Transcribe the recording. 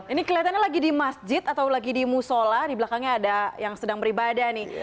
ini kelihatannya lagi di masjid atau lagi di musola di belakangnya ada yang sedang beribadah nih